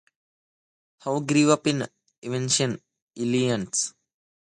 He grew up in Evanston, Illinois.